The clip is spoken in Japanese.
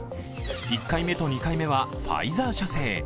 １回目と２回目はファイザー社製。